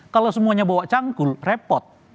kalau semuanya bawa cangkul repot